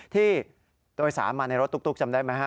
ที่โดยสารมาในรถตุ๊กจำได้ไหมฮะ